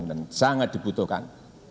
dan sangat dibutuhkan